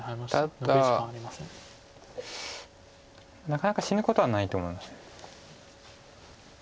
ただなかなか死ぬことはないと思います。